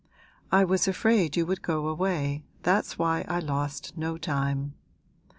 I was afraid you would go away, that's why I lost no time.